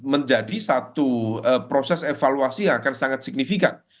dan menjadi satu proses evaluasi yang akan sangat signifikan